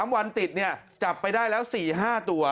๓วันติดจับไปได้แล้ว๔๕ตัว